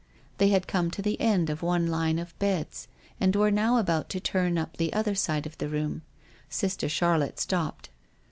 They had come to the end of one line of beds, and were now about to turn up the other end of the room. Sister Charlotte stopped.